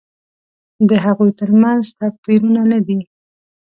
د هغوی تر منځ توپیرونه نه دي.